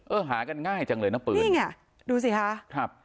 หากันง่ายจังเลยนะปืนนี่ไงดูสิคะครับ